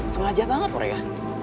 sengaja banget murya